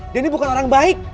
dan ini bukan orang baik